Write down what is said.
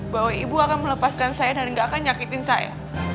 bahwa ibu akan melepaskan saya dan gak akan nyakitin saya